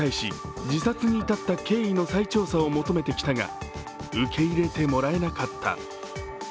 妻は政府に対し、自殺に至った経緯の再調査を求めてきたが受け入れてもらえなかった。